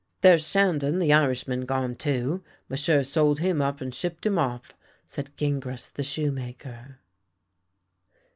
" There's Shandon the Irishman gone too. M'sieu' sold him up and shipped him olT," said Gingras the shoemaker.